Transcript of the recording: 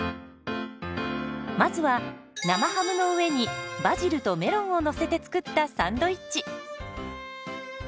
まずは生ハムの上にバジルとメロンをのせて作ったサンドイッチ。